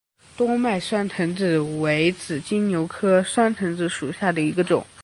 多脉酸藤子为紫金牛科酸藤子属下的一个种。